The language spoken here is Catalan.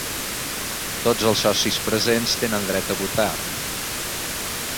Tots els socis presents tenen dret a votar.